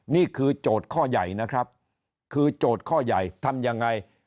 โจทย์ข้อใหญ่นะครับคือโจทย์ข้อใหญ่ทำยังไง